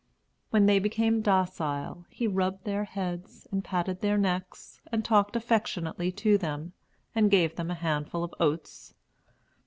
When they became docile, he rubbed their heads, and patted their necks, and talked affectionately to them, and gave them a handful of oats.